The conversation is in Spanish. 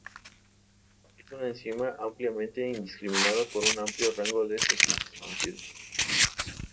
Es una enzima ampliamente indiscriminada con un amplio rango de sustratos conocidos.